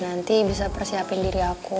nanti bisa persiapin diri aku